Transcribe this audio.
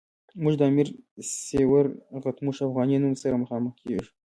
موږ د امیر سیورغتمش افغانی نوم سره مخامخ کیږو.